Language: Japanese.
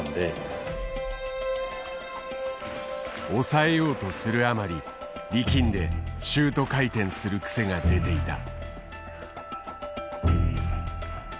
抑えようとするあまり力んでシュート回転する癖が出ていた。